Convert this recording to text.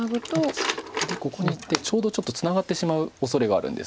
でここにいってちょうどちょっとツナがってしまうおそれがあるんです。